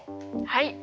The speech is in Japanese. はい。